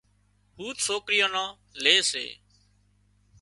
هوٿ سوڪريان نان لي سي